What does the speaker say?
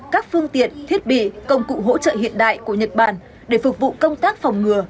các phương tiện thiết bị công cụ hỗ trợ hiện đại của nhật bản để phục vụ công tác phòng ngừa